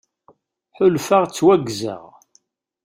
Ḥulfaɣ ttwaggzeɣ.